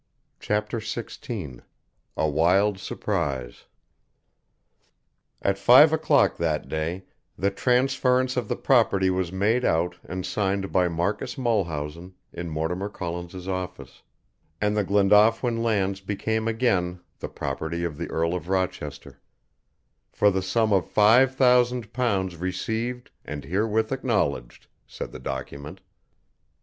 CHAPTER XVI A WILD SURPRISE At five o'clock that day the transference of the property was made out and signed by Marcus Mulhausen in Mortimer Collins' office, and the Glanafwyn lands became again the property of the Earl of Rochester "for the sum of five thousand pounds received and herewith acknowledged," said the document.